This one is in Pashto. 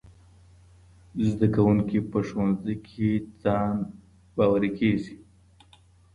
زدهکوونکي په ښوونځي کي ځان باوري کیږي.